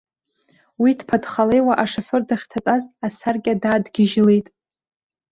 Уи дԥаҭхалеиуа ашофер дахьҭатәаз асаркьа даадгьежьылеит.